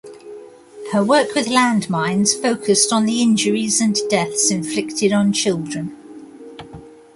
Her work with landmines focused on the injuries and deaths inflicted on children.